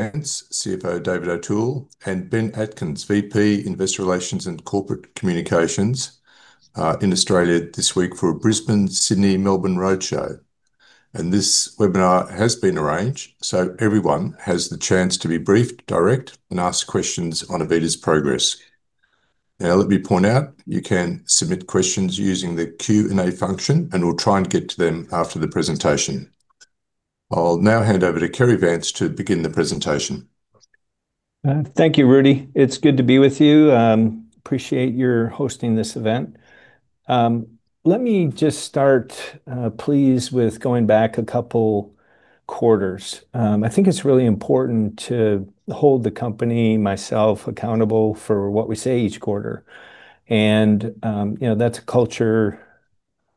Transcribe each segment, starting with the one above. Cary Vance, Chief Financial Officer David O'Toole, and Ben Atkins, Vice President of Investor Relations and Corporate Communications, in Australia this week for a Brisbane, Sydney, Melbourne roadshow. This webinar has been arranged so everyone has the chance to be briefed direct and ask questions on AVITA's progress. Now, let me point out, you can submit questions using the Q&A function, and we'll try and get to them after the presentation. I'll now hand over to Cary Vance to begin the presentation. Thank you, Rudy. It's good to be with you. Appreciate your hosting this event. Let me just start, please, with going back a couple quarters. I think it's really important to hold the company, myself accountable for what we say each quarter.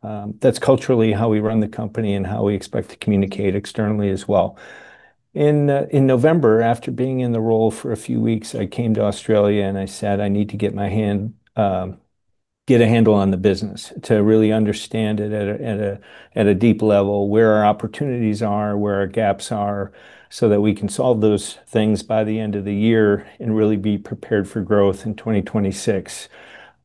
That's culturally how we run the company and how we expect to communicate externally as well. In November, after being in the role for a few weeks, I came to Australia and I said I need to get a handle on the business to really understand it at a deep level, where our opportunities are, where our gaps are, so that we can solve those things by the end of the year and really be prepared for growth in 2026.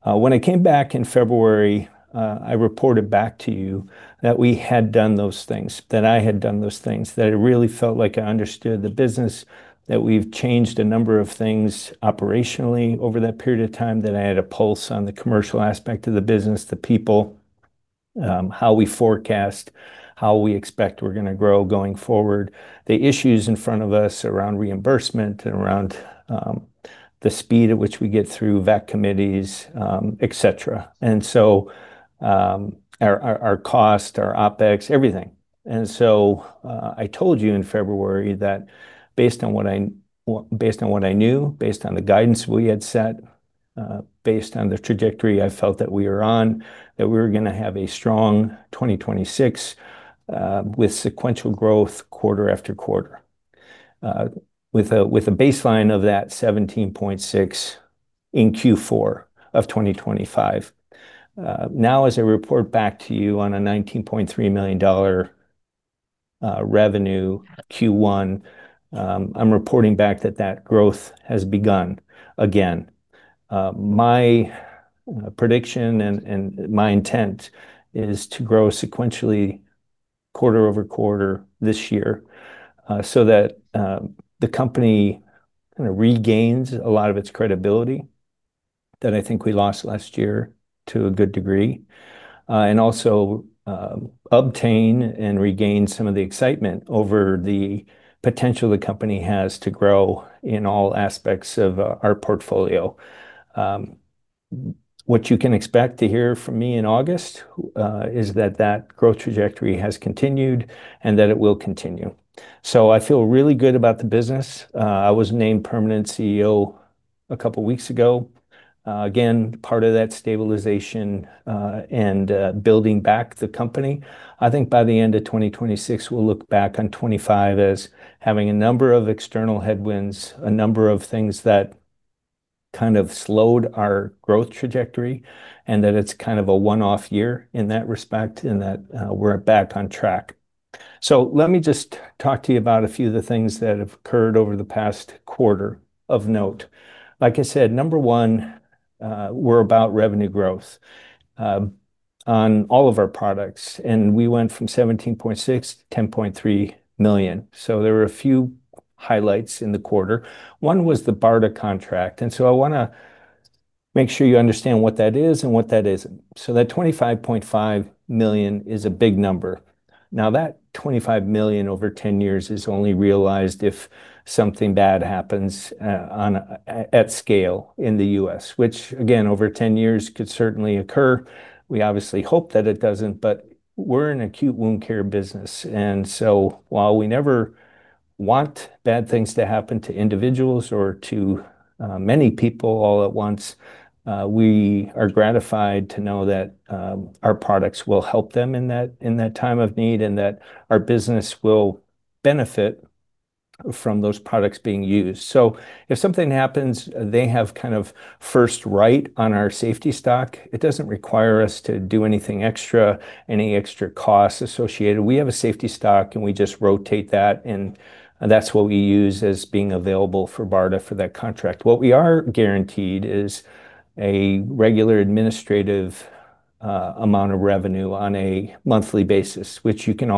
When I came back in February, I reported back to you that we had done those things, that I had done those things, that it really felt like I understood the business, that we've changed a number of things operationally over that period of time, that I had a pulse on the commercial aspect of the business, the people, how we forecast, how we expect we're going to grow going forward, the issues in front of us around reimbursement and around the speed at which we get through VAC committees, et cetera, our cost, our OPEX, everything. I told you in February that based on what I knew, based on the guidance we had set, based on the trajectory I felt that we were on, that we were going to have a strong 2026 with sequential growth quarter-after-quarter, with a baseline of that $17.6 million in Q4 of 2025. As I report back to you on a $19.3 million revenue Q1, I'm reporting back that that growth has begun again. My prediction and my intent is to grow sequentially quarter-over-quarter this year, so that the company regains a lot of its credibility that I think we lost last year to a good degree. Also obtain and regain some of the excitement over the potential the company has to grow in all aspects of our portfolio. What you can expect to hear from me in August is that that growth trajectory has continued and that it will continue. I feel really good about the business. I was named permanent Chief Executive Officer two weeks ago. Again, part of that stabilization and building back the company. I think by the end of 2026, we'll look back on 2025 as having a number of external headwinds, a number of things that kind of slowed our growth trajectory, and that it's kind of a one-off year in that respect, and that we're back on track. Let me just talk to you about a few of the things that have occurred over the past quarter of note. Like I said, number one, we're about revenue growth on all of our products, and we went from $17.6 million-$10.3 million. There were a few highlights in the quarter. One was the BARDA contract, and so I want to make sure you understand what that is and what that isn't. That $25.5 million is a big number. That $25 million over 10 years is only realized if something bad happens at scale in the U.S., which again, over 10 years could certainly occur. We obviously hope that it doesn't, but we're an acute wound care business, and so while we never want bad things to happen to individuals or to many people all at once, we are gratified to know that our products will help them in that time of need and that our business will benefit from those products being used. If something happens, they have first right on our safety stock. It doesn't require us to do anything extra, any extra costs associated. We have a safety stock, and we just rotate that, and that's what we use as being available for BARDA for that contract. What we are guaranteed is a regular administrative amount of revenue on a monthly basis, which you can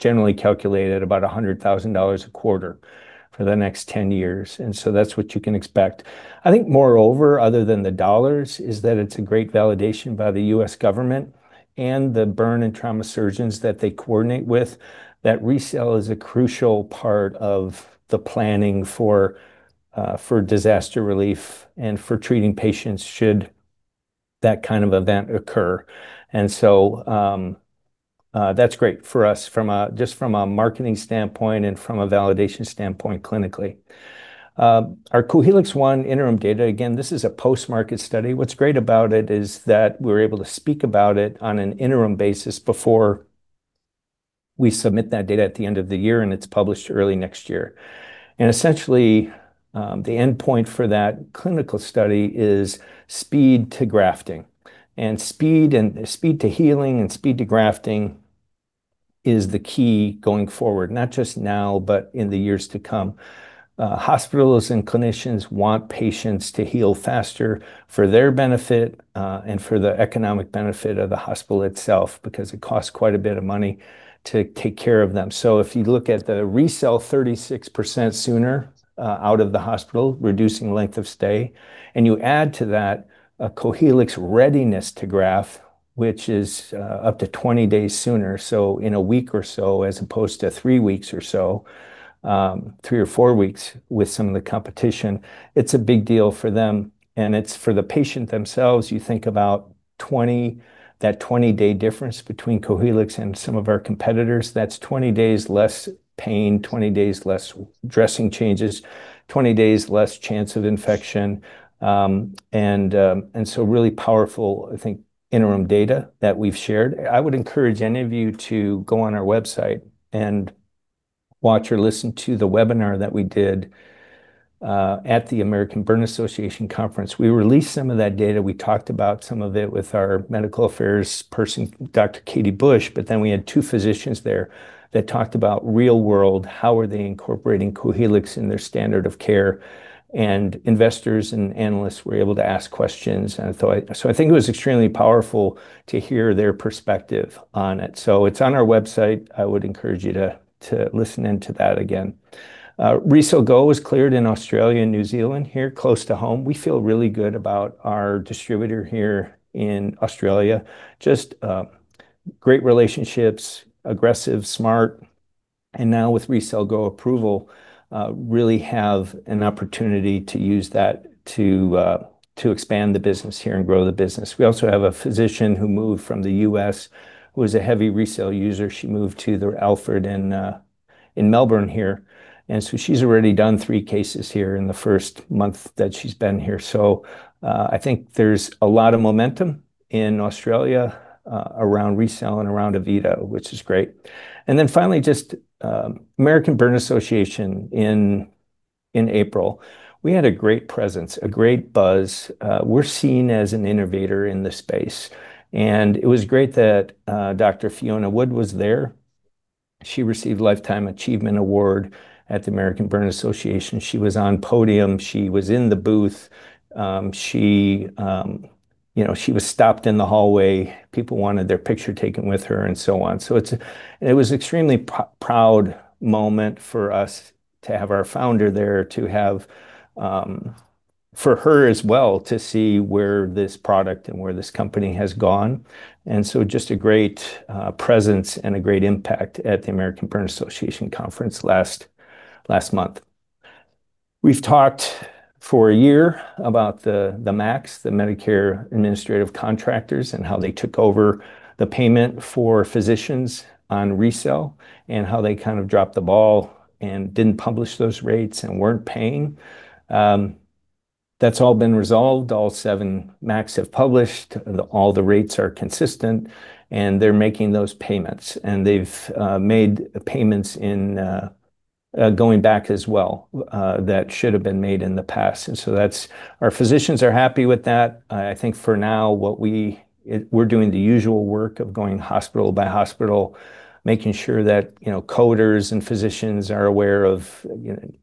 generally calculate at about $100,000 a quarter for the next 10 years. That's what you can expect. I think moreover, other than the dollars, is that it's a great validation by the U.S. government and the burn and trauma surgeons that they coordinate with that RECELL is a crucial part of the planning for disaster relief and for treating patients should that kind of event occur. That's great for us just from a marketing standpoint and from a validation standpoint clinically. Our Cohealyx-I interim data, again, this is a post-market study. What's great about it is that we're able to speak about it on an interim basis before we submit that data at the end of the year and it's published early next year. Essentially the endpoint for that clinical study is speed to grafting. Speed to healing and speed to grafting is the key going forward, not just now, but in the years to come. Hospitals and clinicians want patients to heal faster for their benefit, and for the economic benefit of the hospital itself, because it costs quite a bit of money to take care of them. If you look at the RECELL, 36% sooner out of the hospital, reducing length of stay, and you add to that a Cohealyx readiness to graft, which is up to 20-days sooner, in a week or so, as opposed to three weeks or so, three or four weeks with some of the competition, it's a big deal for them. It's for the patient themselves. You think about that 20-day difference between Cohealyx and some of our competitors. That's 20 days less pain, 20-days less dressing changes, 20-days less chance of infection. Really powerful, I think, interim data that we've shared. I would encourage any of you to go on our website and watch or listen to the webinar that we did at the American Burn Association conference. We released some of that data. We talked about some of it with our medical affairs person, Dr. Katie Bush. We had two physicians there that talked about real-world, how are they incorporating Cohealyx in their standard of care. Investors and analysts were able to ask questions. I think it was extremely powerful to hear their perspective on it. It's on our website. I would encourage you to listen in to that again. RECELL GO was cleared in Australia and New Zealand here close to home. We feel really good about our distributor here in Australia. Just great relationships, aggressive, smart, and now with RECELL GO approval, really have an opportunity to use that to expand the business here and grow the business. We also have a physician who moved from the U.S. who was a heavy RECELL user. She moved to the Alfred in Melbourne here, and so she's already done three cases here in the first month that she's been here. I think there's a lot of momentum in Australia, around RECELL and around AVITA Medical, which is great. Finally, just American Burn Association in April. We had a great presence, a great buzz. We're seen as an innovator in this space, and it was great that Dr. Fiona Wood was there. She received Lifetime Achievement Award at the American Burn Association. She was on podium, she was in the booth. She was stopped in the hallway. People wanted their picture taken with her and so on. It was extremely proud moment for us to have our founder there, for her as well to see where this product and where this company has gone. Just a great presence and a great impact at the American Burn Association conference last month. We've talked for a year about the MACs, the Medicare Administrative Contractors, and how they took over the payment for physicians on RECELL, and how they kind of dropped the ball and didn't publish those rates and weren't paying. That's all been resolved. All seven MACs have published. All the rates are consistent, and they're making those payments. They've made payments going back as well, that should've been made in the past. Our physicians are happy with that. I think for now, we're doing the usual work of going hospital by hospital, making sure that coders and physicians are aware of,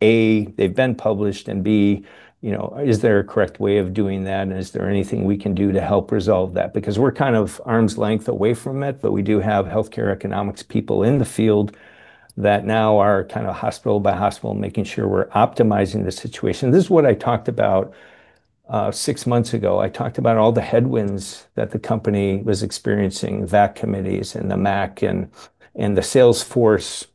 A, they've been published, and B, is there a correct way of doing that, and is there anything we can do to help resolve that? We're kind of arm's length away from it, but we do have healthcare economics people in the field that now are kind of hospital by hospital, making sure we're optimizing the situation. This is what I talked about six months ago. I talked about all the headwinds that the company was experiencing, VACs and the MACs and the sales force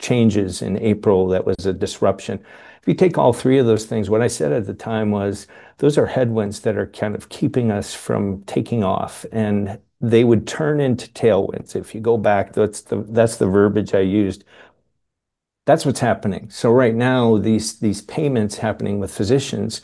changes in April that was a disruption. If you take all three of those things, what I said at the time was, those are headwinds that are kind of keeping us from taking off, and they would turn into tailwinds. If you go back, that's the verbiage I used. That's what's happening. Right now, these payments happening with physicians,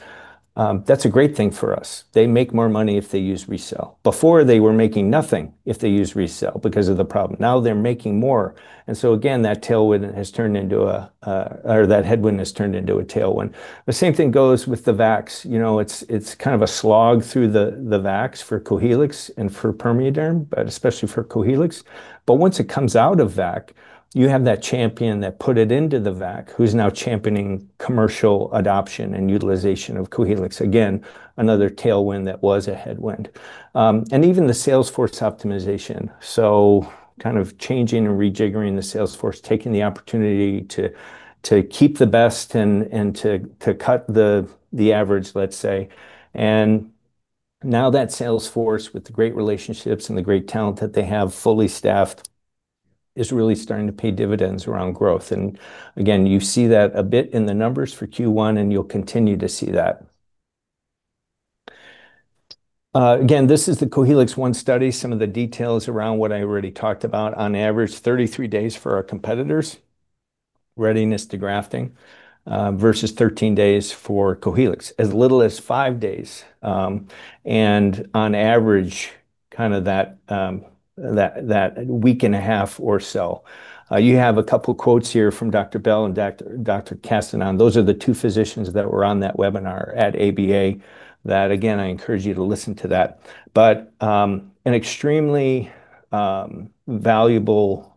that's a great thing for us. They make more money if they use RECELL. Before, they were making nothing if they used RECELL because of the problem. They're making more. Again, that headwind has turned into a tailwind. The same thing goes with the VACs. It's kind of a slog through the VACs for Cohealyx and for PermeaDerm, but especially for Cohealyx. Once it comes out of VAC, you have that champion that put it into the VAC who's now championing commercial adoption and utilization of Cohealyx. Again, another tailwind that was a headwind. Even the sales force optimization. Kind of changing and rejiggering the sales force, taking the opportunity to keep the best and to cut the average, let's say. Now that sales force with the great relationships and the great talent that they have fully staffed is really starting to pay dividends around growth. Again, you see that a bit in the numbers for Q1, and you'll continue to see that. Again, this is the Cohealyx-I study, some of the details around what I already talked about. On average, 33 days for our competitors, readiness to grafting, versus 13 days for Cohealyx. As little as five days, on average kind of that week and a half or so. You have a couple quotes here from Dr. Bell and Dr. Castañón. Those are the two physicians that were on that webinar at ABA that, again, I encourage you to listen to that. An extremely valuable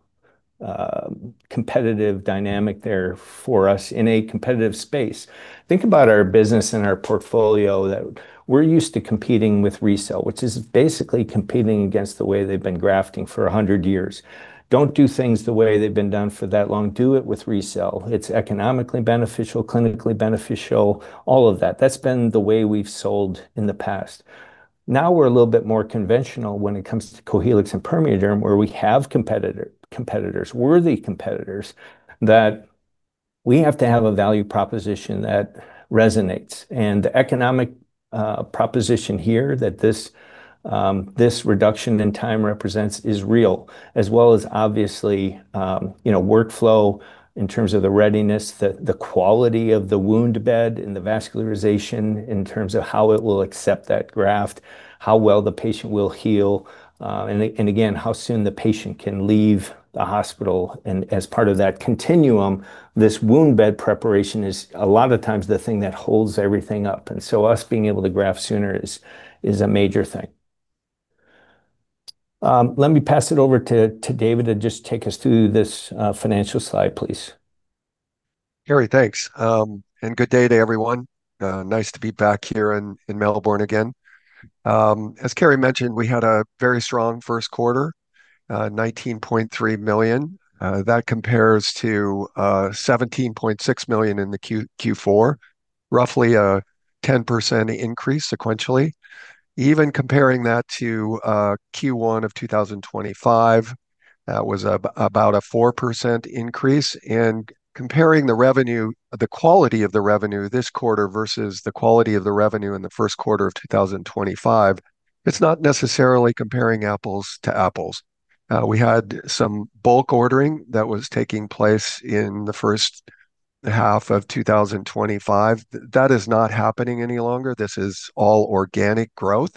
competitive dynamic there for us in a competitive space. Think about our business and our portfolio that we're used to competing with RECELL, which is basically competing against the way they've been grafting for 100 years. Don't do things the way they've been done for that long, do it with RECELL. It's economically beneficial, clinically beneficial, all of that. That's been the way we've sold in the past. Now we're a little bit more conventional when it comes to Cohealyx and PermeaDerm, where we have competitors, worthy competitors, that we have to have a value proposition that resonates. The economic proposition here that this reduction in time represents is real, as well as obviously workflow in terms of the readiness, the quality of the wound bed and the vascularization in terms of how it will accept that graft, how well the patient will heal, and again, how soon the patient can leave the hospital. As part of that continuum, this wound bed preparation is a lot of times the thing that holds everything up. Us being able to graft sooner is a major thing. Let me pass it over to David to just take us through this financial slide, please. Cary, thanks. Good day to everyone. Nice to be back here in Melbourne again. As Cary mentioned, we had a very strong first quarter, $19.3 million. That compares to $17.6 million in the Q4, roughly a 10% increase sequentially. Even comparing that to Q1 of 2025, that was about a 4% increase. Comparing the quality of the revenue this quarter versus the quality of the revenue in the first quarter of 2025, it's not necessarily comparing apples to apples. We had some bulk ordering that was taking place in the first half of 2025. That is not happening any longer. This is all organic growth,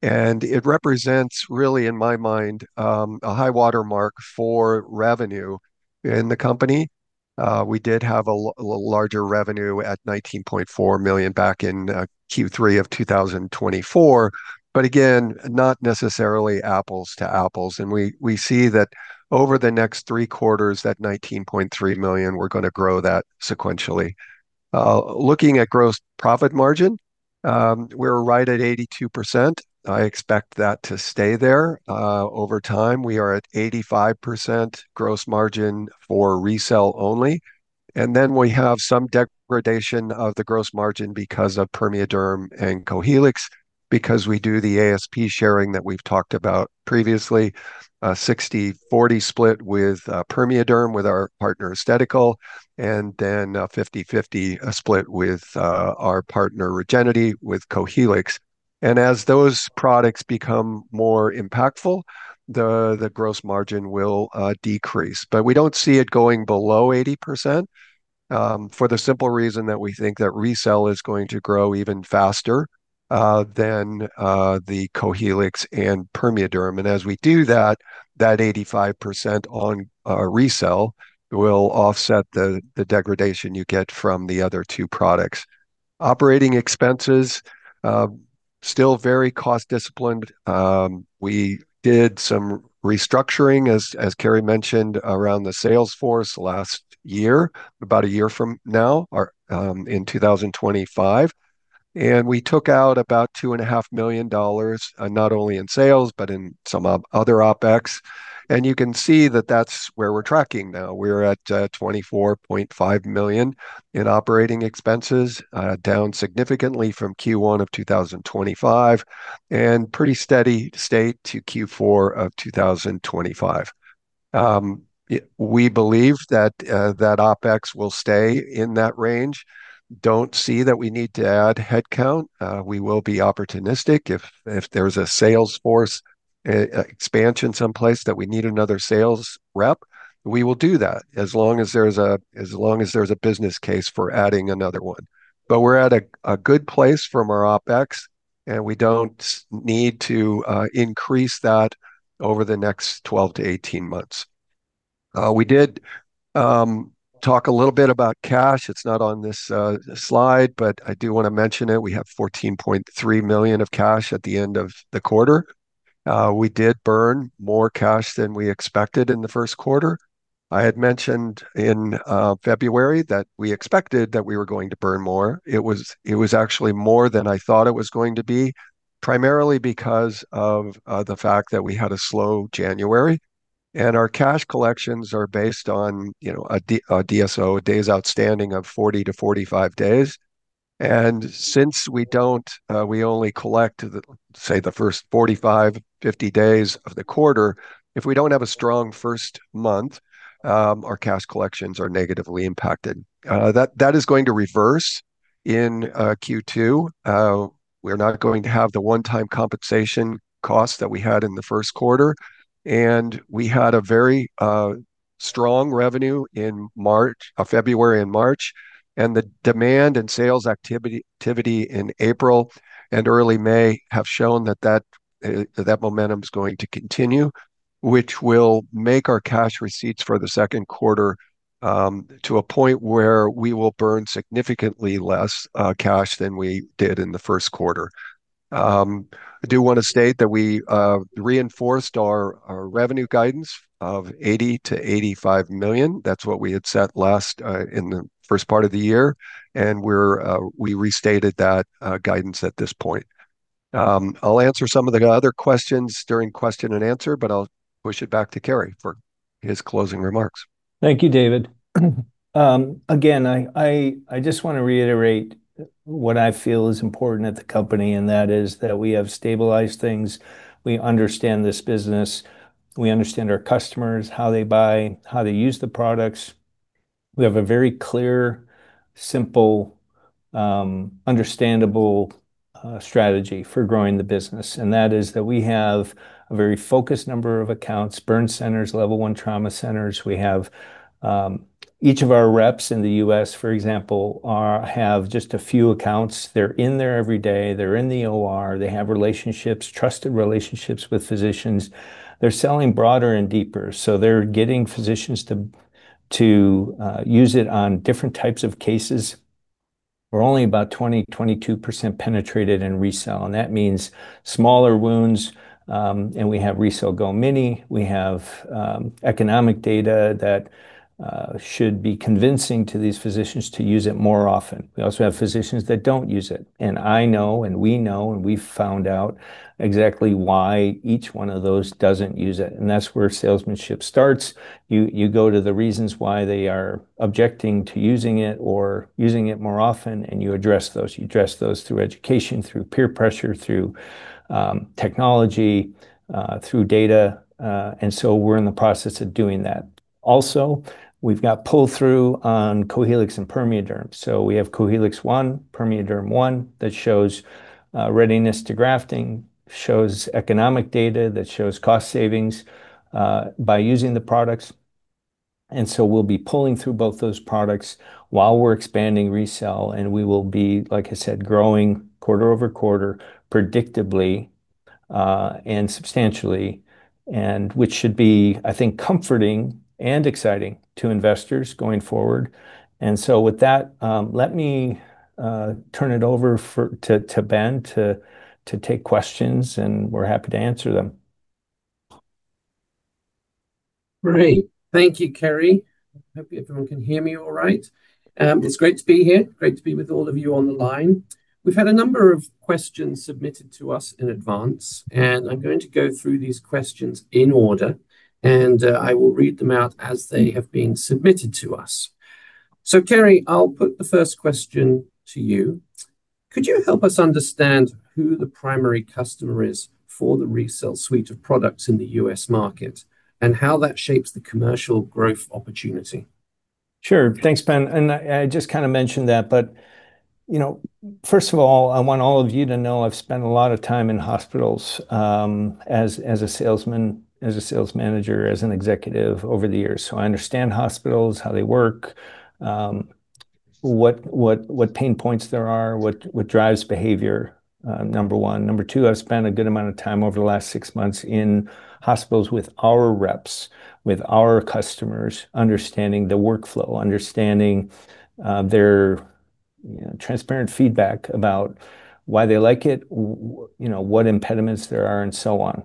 and it represents, really in my mind, a high water mark for revenue in the company. We did have a larger revenue at $19.4 million back in Q3 of 2024, but again, not necessarily apples to apples. We see that over the next three quarters, that $19.3 million, we're going to grow that sequentially. Looking at gross profit margin, we're right at 82%. I expect that to stay there. Over time, we are at 85% gross margin for RECELL only. Then we have some degradation of the gross margin because of PermeaDerm and Cohealyx, because we do the ASP sharing that we've talked about previously, a 60/40 split with PermeaDerm with our partner Stedical, and then a 50/50 split with our partner Regenity with Cohealyx. As those products become more impactful, the gross margin will decrease. We don't see it going below 80%, for the simple reason that we think that RECELL is going to grow even faster than the Cohealyx and PermeaDerm. As we do that 85% on RECELL will offset the degradation you get from the other two products. Operating expenses, still very cost disciplined. We did some restructuring, as Cary mentioned, around the sales force last year, about a year from now, in 2025. We took out about $2.5 million, not only in sales, but in some other OPEX. You can see that that's where we're tracking now. We're at $24.5 million in operating expenses, down significantly from Q1 of 2025, and pretty steady state to Q4 of 2025. We believe that OPEX will stay in that range. Don't see that we need to add headcount. We will be opportunistic if there's a sales force expansion someplace that we need another sales rep, we will do that as long as there's a business case for adding another one. We're at a good place from our OPEX, and we don't need to increase that over the next 12-18 months. We did talk a little bit about cash. It's not on this slide, but I do want to mention it. We have $14.3 million of cash at the end of the quarter. We did burn more cash than we expected in the first quarter. I had mentioned in February that we expected that we were going to burn more. It was actually more than I thought it was going to be, primarily because of the fact that we had a slow January, and our cash collections are based on a DSO, a days outstanding of 40-45 days. Since we only collect, say the first 45-50 days of the quarter, if we don't have a strong first month, our cash collections are negatively impacted. That is going to reverse in Q2. We're not going to have the one-time compensation cost that we had in the first quarter, and we had a very strong revenue in February and March, and the demand and sales activity in April and early May have shown that momentum's going to continue, which will make our cash receipts for the second quarter to a point where we will burn significantly less cash than we did in the first quarter. I do want to state that we reinforced our revenue guidance of $80 million-$85 million. That's what we had set last in the first part of the year. We restated that guidance at this point. I'll answer some of the other questions during question and answer. I'll push it back to Cary for his closing remarks. Thank you, David. I just want to reiterate what I feel is important at the company, that is that we have stabilized things. We understand this business, we understand our customers, how they buy, how they use the products. We have a very clear, simple, understandable strategy for growing the business, and that is that we have a very focused number of accounts, burn centers, Level I trauma centers. Each of our reps in the U.S., for example, have just a few accounts. They're in there every day. They're in the OR. They have relationships, trusted relationships with physicians. They're selling broader and deeper, they're getting physicians to use it on different types of cases. We're only about 20%-22% penetrated in RECELL, that means smaller wounds. We have RECELL GO mini. We have economic data that should be convincing to these physicians to use it more often. We also have physicians that don't use it, and I know, and we know, and we've found out exactly why each one of those doesn't use it, and that's where salesmanship starts. You go to the reasons why they are objecting to using it or using it more often, and you address those. You address those through education, through peer pressure, through technology, through data. We're in the process of doing that. We've got pull-through on Cohealyx and PermeaDerm. We have Cohealyx-I, PermeaDerm one that shows readiness to grafting, shows economic data, that shows cost savings by using the products. We'll be pulling through both those products while we're expanding RECELL, and we will be, like I said, growing quarter-over-quarter predictably and substantially, and which should be, I think, comforting and exciting to investors going forward. With that, let me turn it over to Ben to take questions, and we're happy to answer them. Great. Thank you, Cary. Hope everyone can hear me all right. It's great to be here, great to be with all of you on the line. We've had a number of questions submitted to us in advance. I'm going to go through these questions in order. I will read them out as they have been submitted to us. Cary, I'll put the first question to you. Could you help us understand who the primary customer is for the RECELL suite of products in the U.S. market, and how that shapes the commercial growth opportunity? Sure. Thanks, Ben. I just kind of mentioned that, but first of all, I want all of you to know I've spent a lot of time in hospitals as a salesman, as a sales manager, as an executive over the years, so I understand hospitals, how they work, what pain points there are, what drives behavior, number one, number two, I've spent a good amount of time over the last six months in hospitals with our reps, with our customers, understanding the workflow, understanding their transparent feedback about why they like it, what impediments there are, and so on.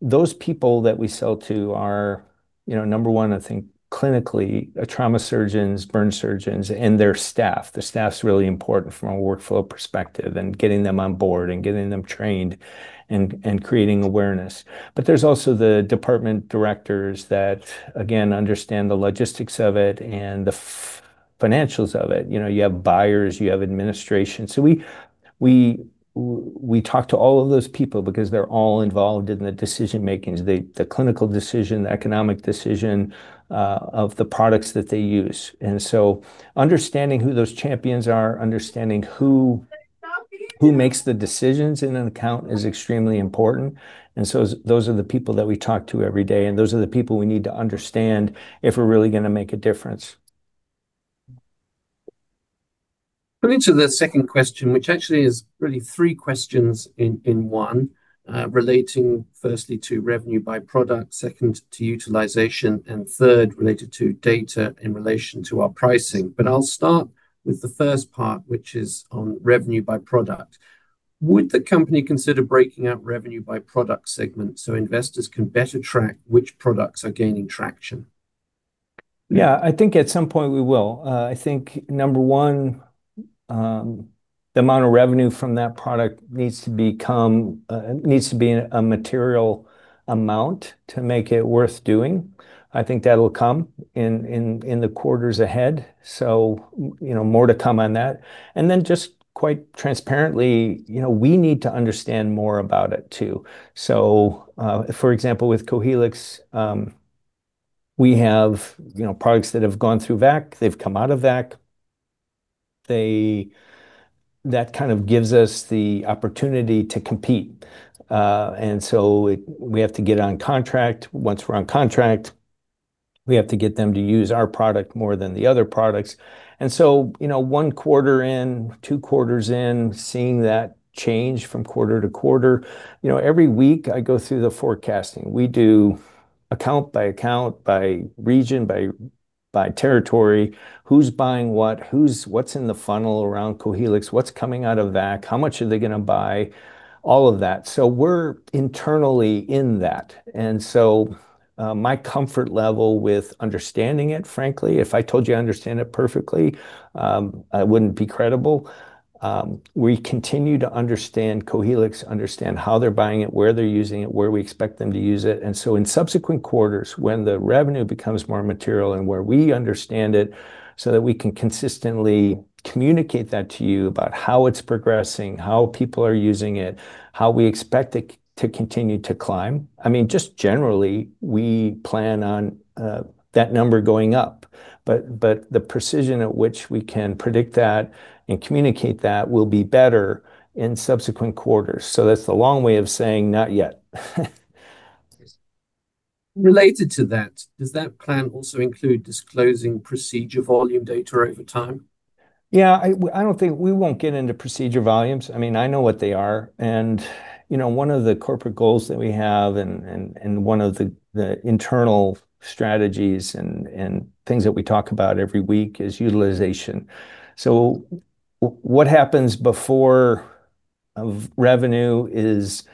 Those people that we sell to are, number one, I think clinically, trauma surgeons, burn surgeons, and their staff. The staff's really important from a workflow perspective and getting them on board and getting them trained and creating awareness. There's also the department directors that, again, understand the logistics of it and the financials of it. You have buyers, you have administration. We talk to all of those people because they're all involved in the decision-making, the clinical decision, the economic decision of the products that they use. Understanding who those champions are, understanding who makes the decisions in an account is extremely important, and so those are the people that we talk to every day, and those are the people we need to understand if we're really going to make a difference. Moving to the second question, which actually is really three questions in one, relating firstly to revenue by product, second to utilization, and third related to data in relation to our pricing. I'll start with the first part, which is on revenue by product. Would the company consider breaking out revenue by product segment so investors can better track which products are gaining traction? Yeah. I think at some point we will. I think, number 1, the amount of revenue from that product needs to be a material amount to make it worth doing. I think that'll come in the quarters ahead, so more to come on that. Just quite transparently, we need to understand more about it, too. For example, with Cohealyx, we have products that have gone through VAC, they've come out of VAC. That gives us the opportunity to compete. We have to get on contract. Once we're on contract, we have to get them to use our product more than the other products, one quarter in, two quarters in, seeing that change from quarter to quarter. Every week I go through the forecasting. We do account by account, by region, by territory, who's buying what's in the funnel around Cohealyx, what's coming out of that, how much are they going to buy, all of that. We're internally in that. My comfort level with understanding it, frankly, if I told you I understand it perfectly, I wouldn't be credible. We continue to understand Cohealyx, understand how they're buying it, where they're using it, where we expect them to use it. In subsequent quarters, when the revenue becomes more material and where we understand it so that we can consistently communicate that to you about how it's progressing, how people are using it, how we expect it to continue to climb. Generally, we plan on that number going up. The precision at which we can predict that and communicate that will be better in subsequent quarters. That's the long way of saying not yet. Related to that, does that plan also include disclosing procedure volume data over time? Yeah. We won't get into procedure volumes. I know what they are, and one of the corporate goals that we have and one of the internal strategies and things that we talk about every week is utilization. What happens before revenue is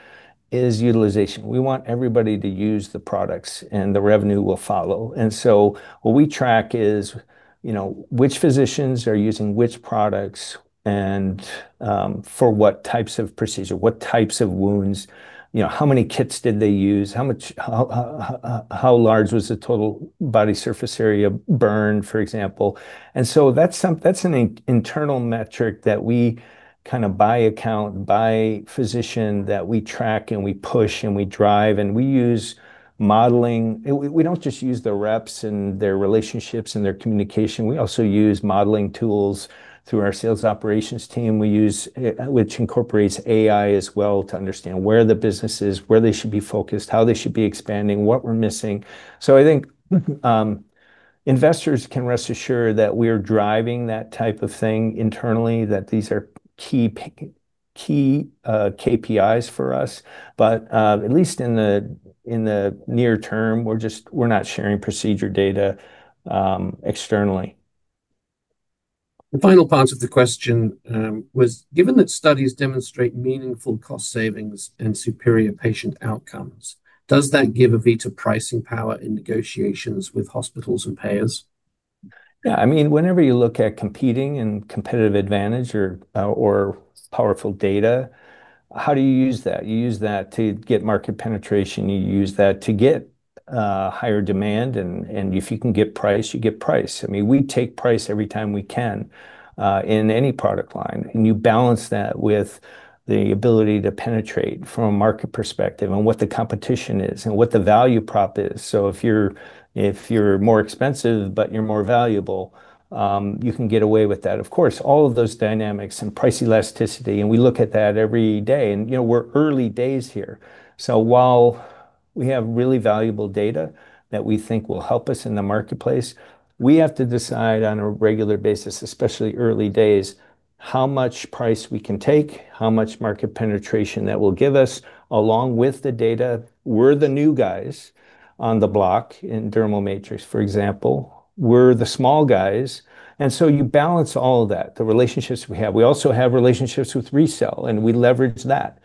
utilization. We want everybody to use the products, and the revenue will follow. What we track is which physicians are using which products and for what types of procedure, what types of wounds, how many kits did they use, how large was the total body surface area burn, for example. That's an internal metric that we by account, by physician, that we track and we push and we drive, and we use modeling. We don't just use the reps and their relationships and their communication. We also use modeling tools through our sales operations team, which incorporates AI as well to understand where the business is, where they should be focused, how they should be expanding, what we're missing. I think investors can rest assured that we are driving that type of thing internally, that these are key KPIs for us. At least in the near term, we're not sharing procedure data externally. The final part of the question was, given that studies demonstrate meaningful cost savings and superior patient outcomes, does that give AVITA pricing power in negotiations with hospitals and payers? Yeah. Whenever you look at competing and competitive advantage or powerful data, how do you use that? You use that to get market penetration. You use that to get higher demand, and if you can get price, you get price. We take price every time we can, in any product line. You balance that with the ability to penetrate from a market perspective on what the competition is and what the value prop is. If you're more expensive but you're more valuable, you can get away with that. Of course, all of those dynamics and price elasticity, and we look at that every day, and we're early days here. While we have really valuable data that we think will help us in the marketplace, we have to decide on a regular basis, especially early days, how much price we can take, how much market penetration that will give us along with the data. We're the new guys on the block in dermal matrix, for example. We're the small guys, you balance all of that, the relationships we have. We also have relationships with RECELL, we leverage that.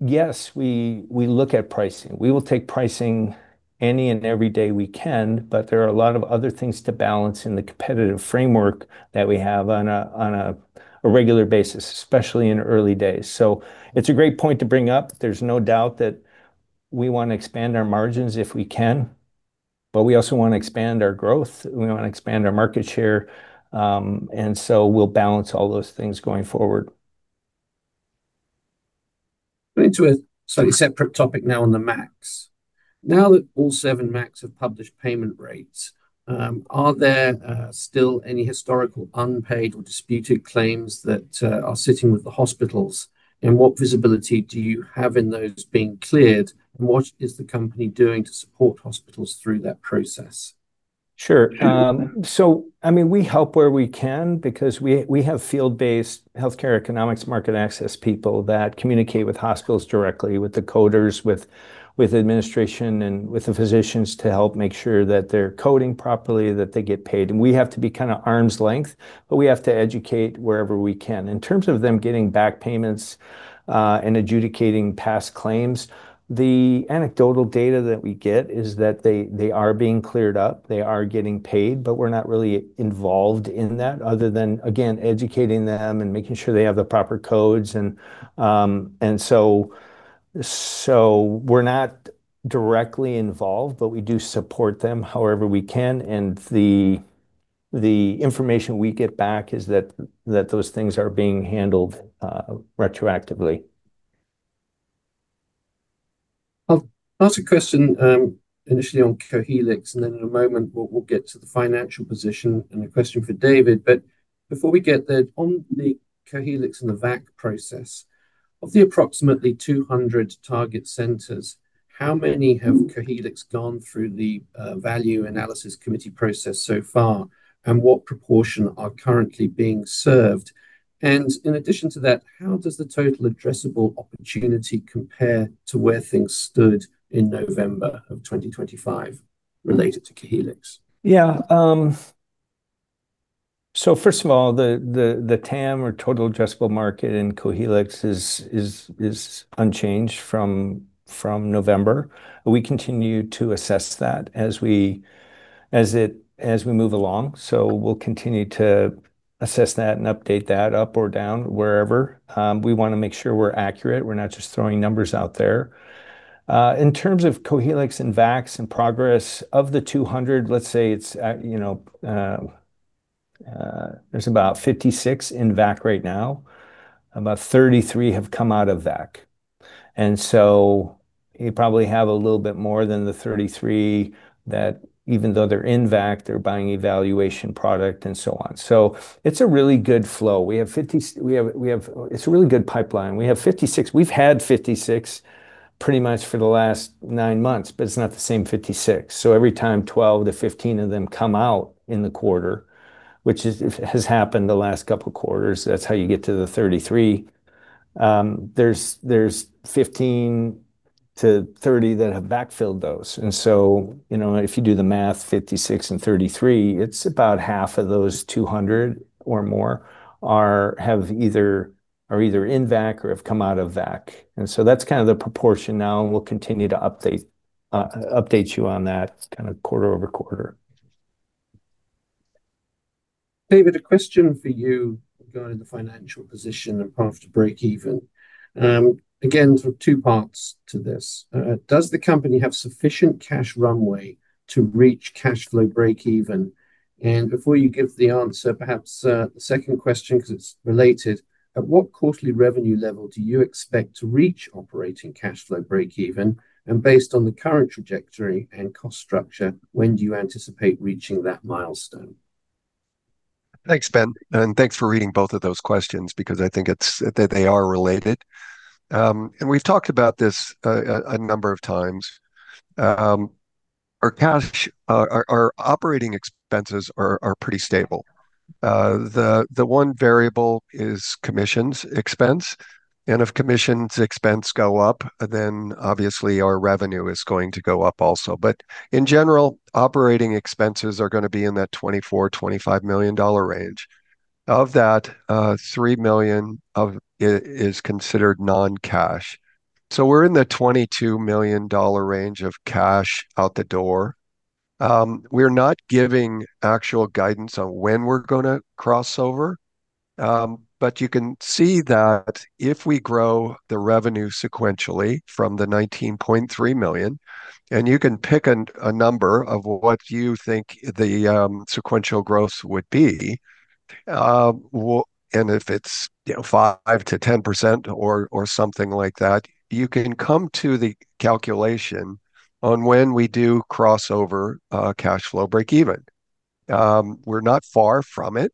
Yes, we look at pricing. We will take pricing any and every day we can, but there are a lot of other things to balance in the competitive framework that we have on a regular basis, especially in early days. It's a great point to bring up. There's no doubt that we want to expand our margins if we can, but we also want to expand our growth. We want to expand our market share. We'll balance all those things going forward. Going into a slightly separate topic now on the MACs. Now that all seven MACs have published payment rates, are there still any historical unpaid or disputed claims that are sitting with the hospitals? What visibility do you have in those being cleared? What is the company doing to support hospitals through that process? Sure. We help where we can because we have field-based healthcare economics market access people that communicate with hospitals directly, with the coders, with administration, and with the physicians to help make sure that they're coding properly, that they get paid. We have to be kind of arm's length, but we have to educate wherever we can. In terms of them getting back payments, and adjudicating past claims, the anecdotal data that we get is that they are being cleared up, they are getting paid, but we're not really involved in that other than, again, educating them and making sure they have the proper codes. We're not directly involved, but we do support them however we can, and the information we get back is that those things are being handled retroactively. I'll ask a question initially on Cohealyx, then in a moment, we'll get to the financial position and a question for David. Before we get there, on the Cohealyx and the VAC process, of the approximately 200 target centers, how many have Cohealyx gone through the Value Analysis Committee process so far? What proportion are currently being served? In addition to that, how does the total addressable opportunity compare to where things stood in November of 2025 related to Cohealyx? First of all, the TAM, or total addressable market, in Cohealyx is unchanged from November. We continue to assess that as we move along. We'll continue to assess that and update that up or down wherever. We want to make sure we're accurate, we're not just throwing numbers out there. In terms of Cohealyx and VACs and progress, of the 200, let's say there's about 56 in VAC right now. About 33 have come out of VAC. You probably have a little bit more than the 33 that even though they're in VAC, they're buying evaluation product and so on. It's a really good flow. It's a really good pipeline. We have 56. We've had 56 pretty much for the last nine months, but it's not the same 56. Every time 12-15 of them come out in the quarter, which has happened the last couple of quarters, that's how you get to the 33. There's 15-30 that have backfilled those. If you do the math, 56 and 33, it's about half of those 200 or more are either in VAC or have come out of VAC. That's the proportion now, and we'll continue to update you on that kind of quarter-over-quarter. David, a question for you regarding the financial position and path to break even. Sort of two parts to this. Does the company have sufficient cash runway to reach cash flow break even? Before you give the answer, perhaps the second question, because it's related, at what quarterly revenue level do you expect to reach operating cash flow break even? Based on the current trajectory and cost structure, when do you anticipate reaching that milestone? Thanks, Ben. Thanks for reading both of those questions because I think they are related. We've talked about this a number of times. Our operating expenses are pretty stable. The one variable is commissions expense. If commissions expense go up, obviously our revenue is going to go up also. In general, operating expenses are going to be in that $24 million-$25 million range. Of that, $3 million is considered non-cash. We're in the $22 million range of cash out the door. We're not giving actual guidance on when we're going to cross over. You can see that if we grow the revenue sequentially from the $19.3 million, and you can pick a number of what you think the sequential growth would be, and if it's 5%-10% or something like that, you can come to the calculation on when we do cross over cash flow break even. We're not far from it,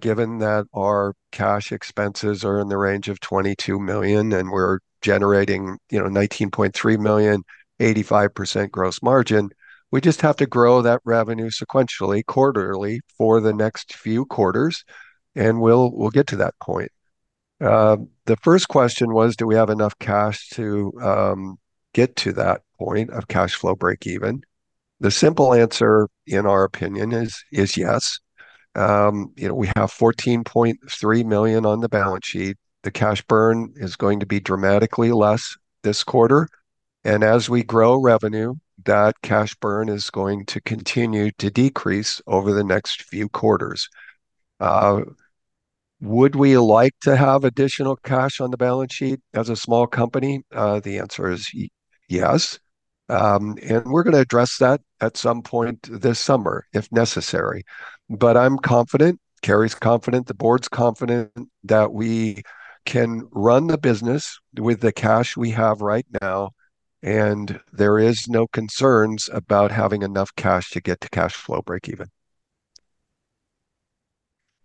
given that our cash expenses are in the range of $22 million and we're generating $19.3 million, 85% gross margin. We just have to grow that revenue sequentially, quarterly for the next few quarters, and we'll get to that point. The first question was, do we have enough cash to get to that point of cash flow break even? The simple answer, in our opinion, is yes. We have $14.3 million on the balance sheet. The cash burn is going to be dramatically less this quarter. As we grow revenue, that cash burn is going to continue to decrease over the next few quarters. Would we like to have additional cash on the balance sheet as a small company? The answer is yes. We're going to address that at some point this summer if necessary. I'm confident, Cary's confident, the board's confident that we can run the business with the cash we have right now, and there is no concerns about having enough cash to get to cash flow break even.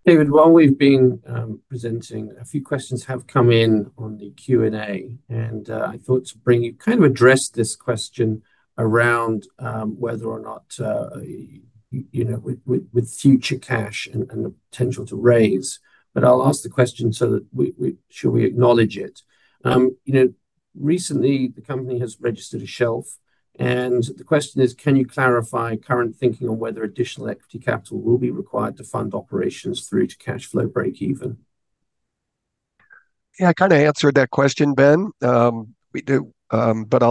David, while we've been presenting, a few questions have come in on the Q&A, and I thought to bring you, kind of address this question around whether or not with future cash and the potential to raise. I'll ask the question so that should we acknowledge it. Recently, the company has registered a shelf, and the question is, can you clarify current thinking on whether additional equity capital will be required to fund operations through to cash flow breakeven? Yeah, I kind of answered that question, Ben. I'll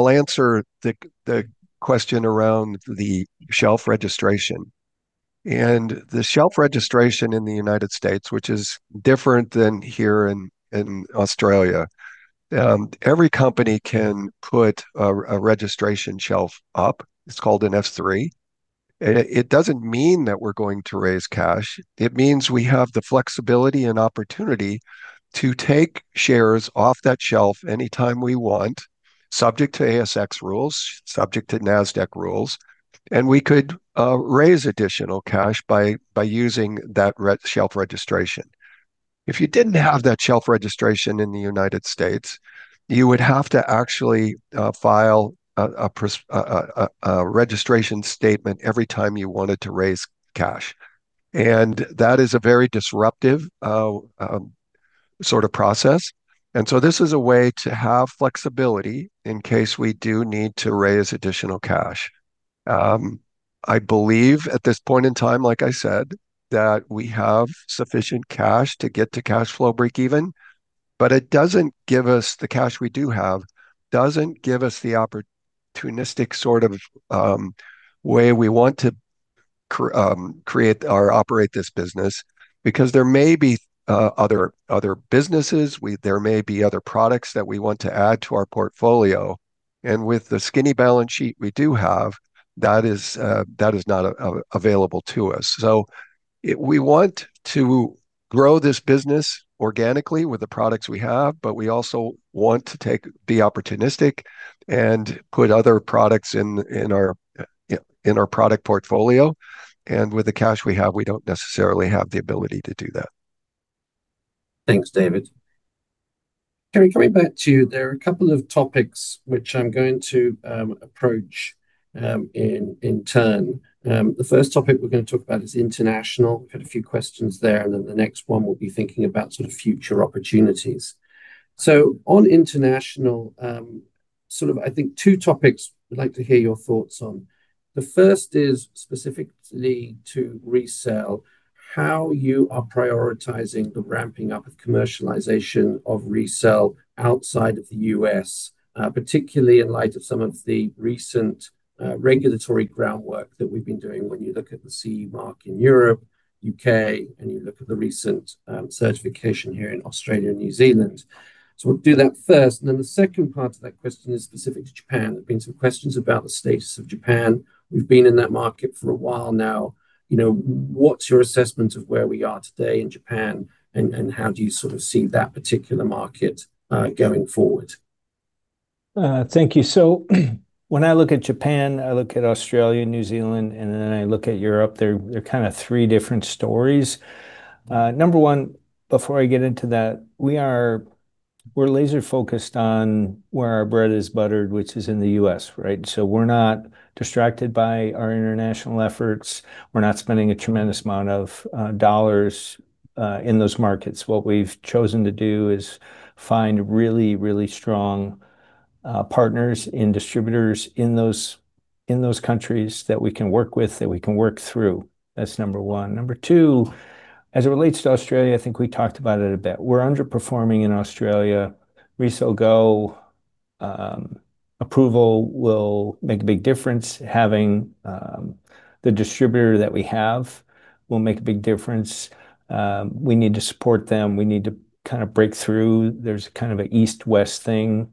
answer the question around the shelf registration. The shelf registration in the U.S., which is different than here in Australia, every company can put a registration shelf up. It's called an S3. It doesn't mean that we're going to raise cash. It means we have the flexibility and opportunity to take shares off that shelf anytime we want, subject to ASX rules, subject to Nasdaq rules. We could raise additional cash by using that shelf registration. If you didn't have that shelf registration in the U.S., you would have to actually file a registration statement every time you wanted to raise cash. That is a very disruptive sort of process. This is a way to have flexibility in case we do need to raise additional cash. I believe at this point in time, like I said, that we have sufficient cash to get to cash flow breakeven, but the cash we do have doesn't give us the opportunistic sort of way we want to create or operate this business, because there may be other businesses, there may be other products that we want to add to our portfolio. With the skinny balance sheet we do have, that is not available to us. We want to grow this business organically with the products we have, but we also want to be opportunistic and put other products in our product portfolio. With the cash we have, we don't necessarily have the ability to do that. Thanks, David. Cary, coming back to you, there are a couple of topics which I'm going to approach in turn. The first topic we're going to talk about is international. We've had a few questions there, and then the next one will be thinking about future opportunities. On international, I think two topics we'd like to hear your thoughts on. The first is specifically to RECELL, how you are prioritizing the ramping up of commercialization of RECELL outside of the U.S., particularly in light of some of the recent regulatory groundwork that we've been doing when you look at the CE mark in Europe, U.K., and you look at the recent certification here in Australia and New Zealand. We'll do that first, and then the second part of that question is specific to Japan. There have been some questions about the status of Japan. We've been in that market for a while now. What's your assessment of where we are today in Japan, and how do you see that particular market going forward? Thank you. When I look at Japan, I look at Australia, New Zealand, I look at Europe, they're three different stories. Number one, before I get into that, we're laser-focused on where our bread is buttered, which is in the U.S. We're not distracted by our international efforts. We're not spending a tremendous amount of dollars in those markets. What we've chosen to do is find really strong partners and distributors in those countries that we can work with, that we can work through. That's number one. Number two, as it relates to Australia, I think we talked about it a bit. We're underperforming in Australia. RECELL GO approval will make a big difference. Having the distributor that we have will make a big difference. We need to support them. We need to break through. There's an East-West thing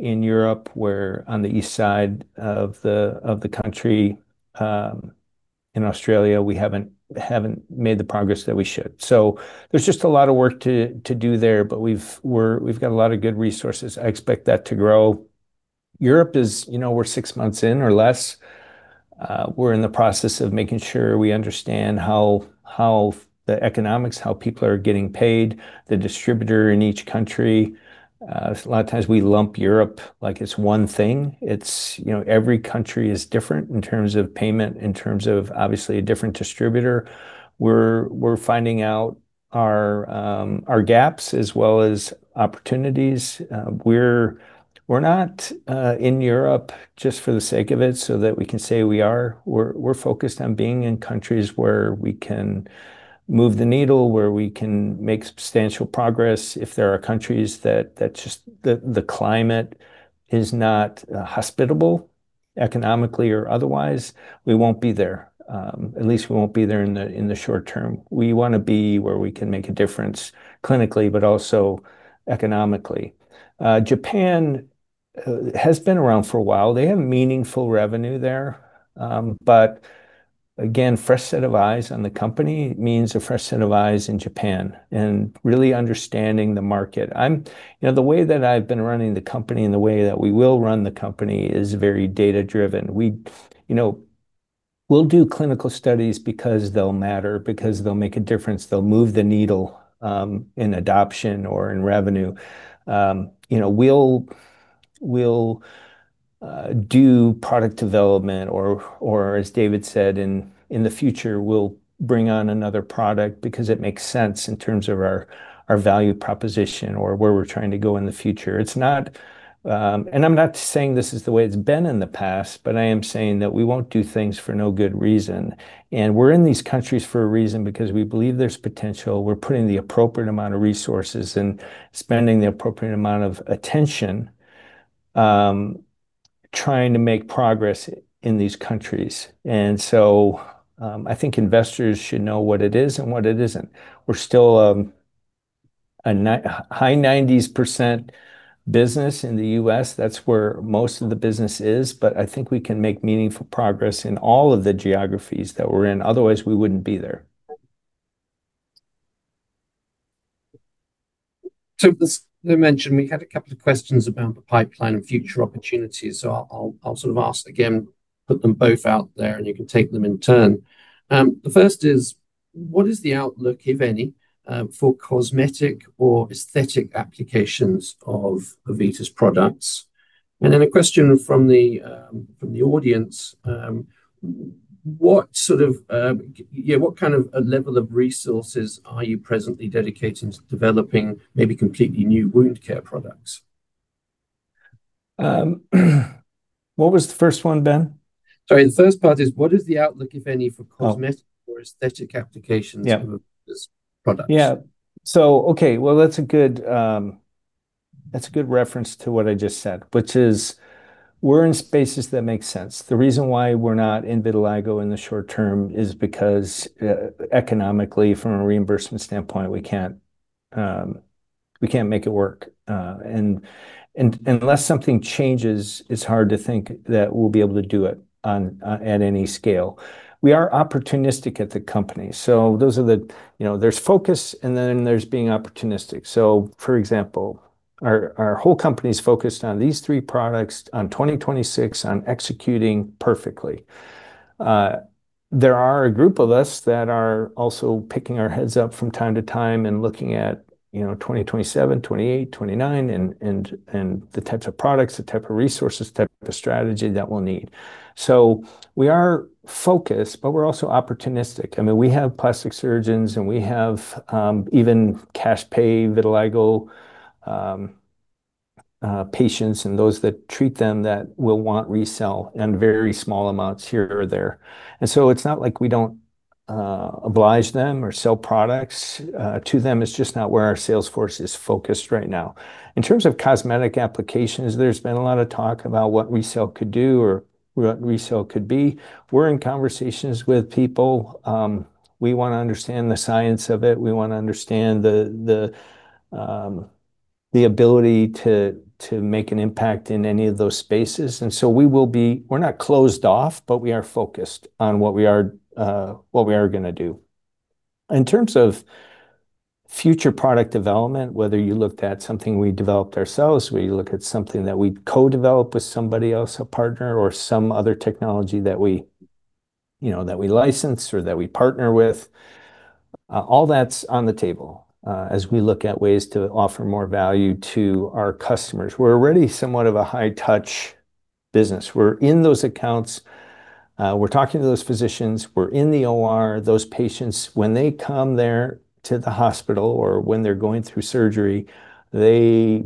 in Europe, where on the east side of the country in Australia, we haven't made the progress that we should. There's just a lot of work to do there, but we've got a lot of good resources. I expect that to grow. Europe is, we're six months in or less. We're in the process of making sure we understand how the economics, how people are getting paid, the distributor in each country. A lot of times we lump Europe like it's one thing. Every country is different in terms of payment, in terms of obviously a different distributor. We're finding out our gaps as well as opportunities. We're not in Europe just for the sake of it so that we can say we are. We're focused on being in countries where we can move the needle, where we can make substantial progress. If there are countries that the climate is not hospitable economically or otherwise, we won't be there. At least we won't be there in the short term. We want to be where we can make a difference clinically, but also economically. Japan has been around for a while. They have meaningful revenue there. Again, fresh set of eyes on the company means a fresh set of eyes in Japan and really understanding the market. The way that I've been running the company and the way that we will run the company is very data-driven. We'll do clinical studies because they'll matter, because they'll make a difference. They'll move the needle in adoption or in revenue. We'll do product development or, as David said, in the future, we'll bring on another product because it makes sense in terms of our value proposition or where we're trying to go in the future. I'm not saying this is the way it's been in the past, but I am saying that we won't do things for no good reason. We're in these countries for a reason, because we believe there's potential. We're putting the appropriate amount of resources and spending the appropriate amount of attention trying to make progress in these countries. I think investors should know what it is and what it isn't. We're still a high 90s% business in the U.S. That's where most of the business is, but I think we can make meaningful progress in all of the geographies that we're in, otherwise we wouldn't be there. As I mentioned, we had two questions about the pipeline and future opportunities. I'll sort of ask again, put them both out there, and you can take them in turn. The first is, what is the outlook, if any, for cosmetic or aesthetic applications of AVITA's products? Then a question from the audience, what kind of a level of resources are you presently dedicated to developing maybe completely new wound care products? What was the first one, Ben? Sorry. The first part is, what is the outlook, if any, for cosmetic or aesthetic applications of AVITA's products? Yeah. Okay. Well, that's a good reference to what I just said, which is we're in spaces that make sense. The reason why we're not in vitiligo in the short term is because, economically, from a reimbursement standpoint, we can't make it work. Unless something changes, it's hard to think that we'll be able to do it at any scale. We are opportunistic at the company. There's focus and then there's being opportunistic. For example, our whole company's focused on these three products on 2026 on executing perfectly. There are a group of us that are also picking our heads up from time to time and looking at 2027, 2028, 2029, and the types of products, the type of resources, the type of strategy that we'll need. We are focused, but we're also opportunistic. We have plastic surgeons. We have even cash pay vitiligo patients, and those that treat them that will want RECELL in very small amounts here or there. It's not like we don't oblige them or sell products to them. It's just not where our sales force is focused right now. In terms of cosmetic applications, there's been a lot of talk about what RECELL could do or what RECELL could be. We're in conversations with people. We want to understand the science of it. We want to understand the ability to make an impact in any of those spaces. We're not closed off, but we are focused on what we are going to do. In terms of future product development, whether you looked at something we developed ourselves, we look at something that we co-develop with somebody else, a partner or some other technology that we license or that we partner with, all that's on the table as we look at ways to offer more value to our customers. We're already somewhat of a high touch business. We're in those accounts. We're talking to those physicians. We're in the OR. Those patients, when they come there to the hospital or when they're going through surgery, they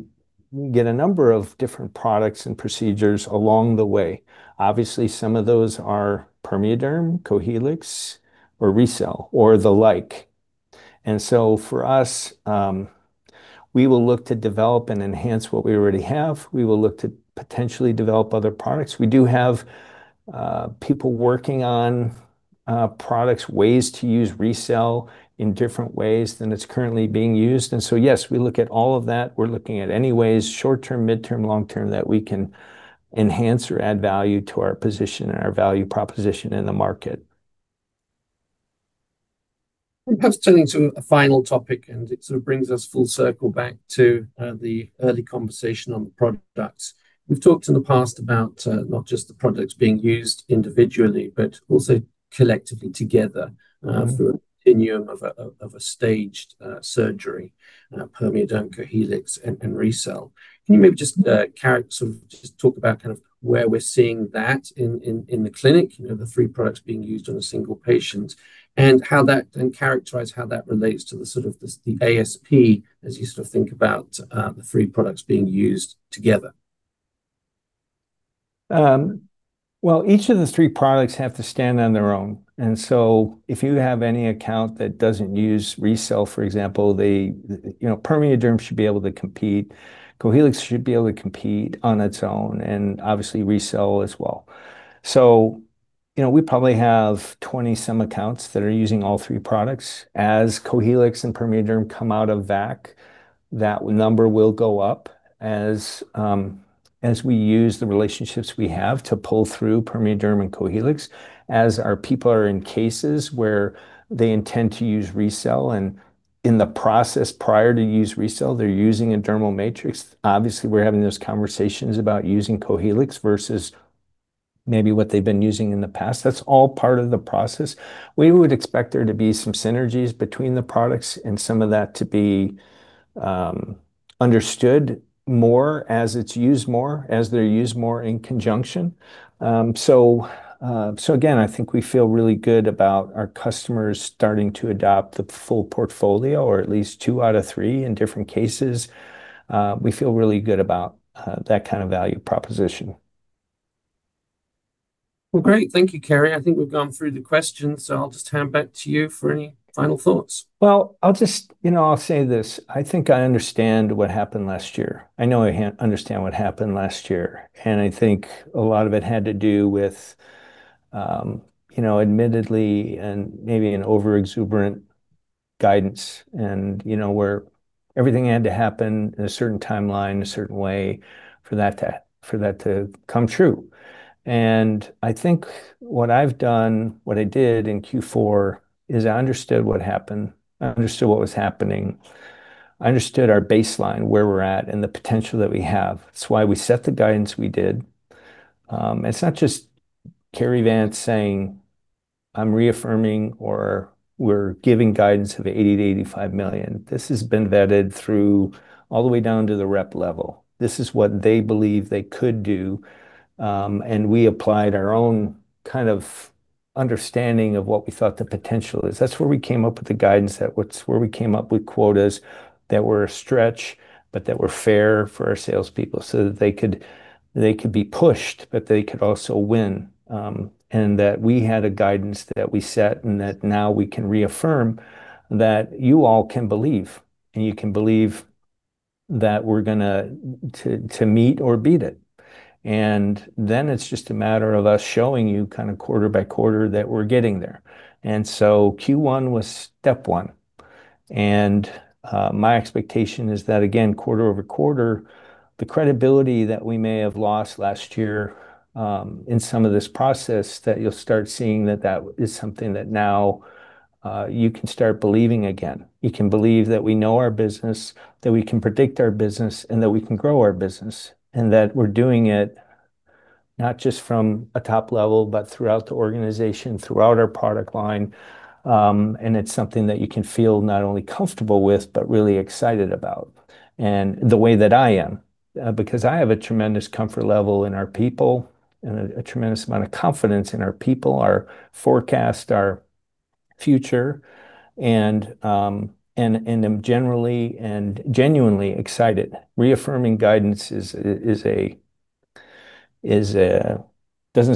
get a number of different products and procedures along the way. Obviously, some of those are PermeaDerm, Cohealyx, or RECELL, or the like. For us, we will look to develop and enhance what we already have. We will look to potentially develop other products. We do have people working on products, ways to use RECELL in different ways than it's currently being used. Yes, we look at all of that. We're looking at any ways, short-term, mid-term, long-term, that we can enhance or add value to our position and our value proposition in the market. Perhaps turning to a final topic, and it sort of brings us full circle back to the early conversation on the products. We've talked in the past about not just the products being used individually, but also collectively together, through a continuum of a staged surgery, PermeaDerm, Cohealyx, and RECELL. Can you maybe just talk about where we're seeing that in the clinic, the three products being used on a single patient, and characterize how that relates to the ASP as you think about the three products being used together? Each of the three products have to stand on their own. If you have any account that doesn't use RECELL, for example, PermeaDerm should be able to compete, Cohealyx should be able to compete on its own, and obviously RECELL as well. We probably have 20 some accounts that are using all three products. Cohealyx and PermeaDerm come out of VACs, that number will go up as we use the relationships we have to pull through PermeaDerm and Cohealyx. Our people are in cases where they intend to use RECELL, and in the process prior to use RECELL, they're using a dermal matrix. Obviously, we're having those conversations about using Cohealyx versus maybe what they've been using in the past. That's all part of the process. We would expect there to be some synergies between the products, some of that to be understood more as it's used more, as they're used more in conjunction. Again, I think we feel really good about our customers starting to adopt the full portfolio, or at least two out of three in different cases. We feel really good about that kind of value proposition. Well, great. Thank you, Cary. I think we've gone through the questions. I'll just hand back to you for any final thoughts. Well, I'll say this. I think I understand what happened last year. I know I understand what happened last year, and I think a lot of it had to do with. Admittedly and maybe an over exuberant guidance and where everything had to happen in a certain timeline, a certain way for that to come true. I think what I've done, what I did in Q4 is I understood what happened. I understood what was happening. I understood our baseline, where we're at, and the potential that we have. It's why we set the guidance we did. It's not just Cary Vance saying, "I'm reaffirming," or, "We're giving guidance of $80 million-$85 million." This has been vetted through all the way down to the rep level. This is what they believe they could do, and we applied our own kind of understanding of what we thought the potential is. That's where we came up with the guidance, that's where we came up with quotas that were a stretch, but that were fair for our salespeople so that they could be pushed, but they could also win. That we had a guidance that we set and that now we can reaffirm that you all can believe, and you can believe that we're going to meet or beat it. Then it's just a matter of us showing you quarter-by-quarter that we're getting there. Q1 was step one. My expectation is that, again, quarter-over-quarter, the credibility that we may have lost last year in some of this process, that you'll start seeing that that is something that now you can start believing again. You can believe that we know our business, that we can predict our business, and that we can grow our business, and that we're doing it not just from a top level, but throughout the organization, throughout our product line. It's something that you can feel not only comfortable with, but really excited about. The way that I am, because I have a tremendous comfort level in our people and a tremendous amount of confidence in our people, our forecast, our future, and I'm generally and genuinely excited. Reaffirming guidance doesn't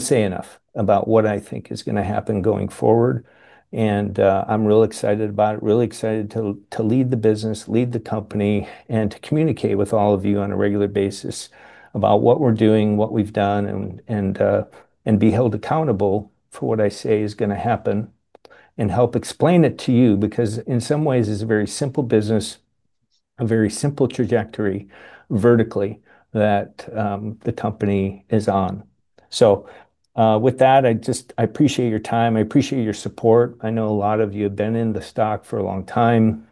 say enough about what I think is going to happen going forward, and I'm really excited about it, really excited to lead the business, lead the company, and to communicate with all of you on a regular basis about what we're doing, what we've done, and be held accountable for what I say is going to happen and help explain it to you, because in some ways, it's a very simple business, a very simple trajectory vertically that the company is on. With that, I appreciate your time. I appreciate your support. I know a lot of you have been in the stock for a long time.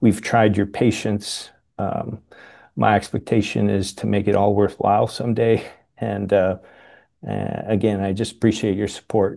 We've tried your patience. My expectation is to make it all worthwhile someday. Again, I just appreciate your support.